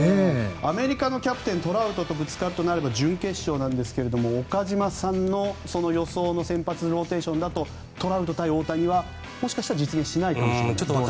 アメリカのキャプテントラウトとぶつかるのは準決勝なんですが岡島さんの予想の先発ローテーションだとトラウト対大谷はもしかしたら実現しないかもしれない。